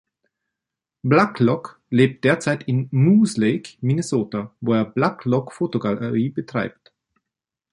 Blacklock lebt derzeit in Moose Lake, Minnesota, wo er Blacklock-Fotogalerie betreibt.